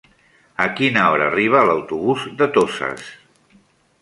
A quina hora arriba l'autobús de Toses?